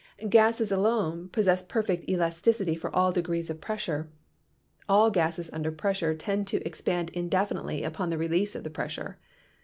Gases alone possess perfect elasticity for all degrees of pressure. All gases under pressure tend to ex pand indefinitely upon the release of the pressure.